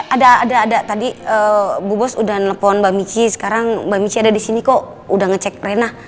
ada ada ada tadi bu bos udah ngelepon mbak michi sekarang mbak michi ada disini kok udah ngecek rena